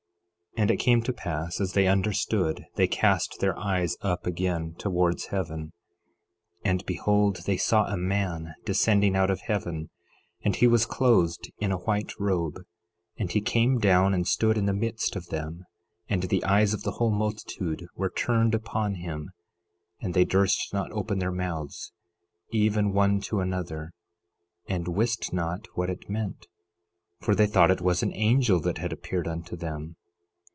11:8 And it came to pass, as they understood they cast their eyes up again towards heaven; and behold, they saw a Man descending out of heaven; and he was clothed in a white robe; and he came down and stood in the midst of them; and the eyes of the whole multitude were turned upon him, and they durst not open their mouths, even one to another, and wist not what it meant, for they thought it was an angel that had appeared unto them.